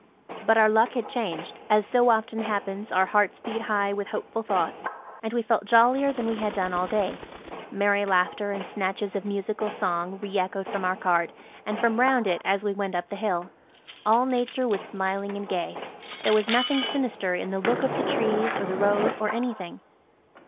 But our luck had changed. As so often happens, our hearts beat high with hopeful thoughts, and we felt jollier than we had done all day. Merry laughter and snatches of musical song re echoed from our cart, and from round it as we went up the hill. All Nature was smiling and gay. There was nothing sinister in the look of the trees or the road–or anything.